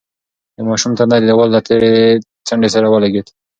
د ماشوم تندی د دېوال له تېرې څنډې سره ولگېد.